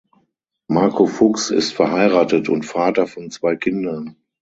Marco Fuchs ist verheiratet und Vater von zwei Kindern.